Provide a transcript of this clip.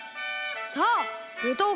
さあぶとう